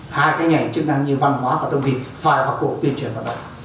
hai cái nhảy chức năng như văn hóa và thông tin phải và cổ tuyên truyền vận động